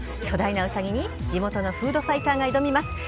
巨大なウサギに地元のフードファイターが挑みます。